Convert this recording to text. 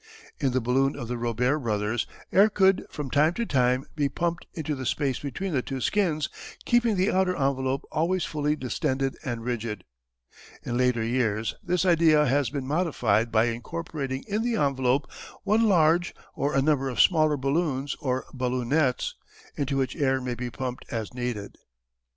In the balloon of the Robert brothers air could from time to time be pumped into the space between the two skins, keeping the outer envelope always fully distended and rigid. In later years this idea has been modified by incorporating in the envelope one large or a number of smaller balloons or "balloonets," into which air may be pumped as needed.